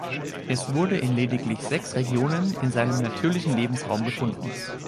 Es wurde in lediglich sechs Regionen in seinem natürlichen Lebensraum gefunden.